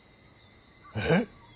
えっ。